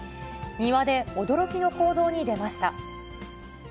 庭で驚きの行動に出ました。